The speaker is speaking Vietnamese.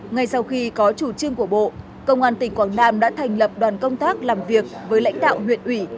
ngay sau khi có chủ trương của bộ công an tỉnh quảng nam đã thành lập đoàn công tác làm việc với lãnh đạo huyện ủy